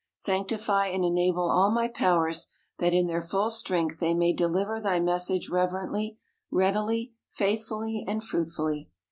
Sanctify and enable all my powers, that in their full strength they may deliver thy message reverently, readily, faithfully, and fruitfully.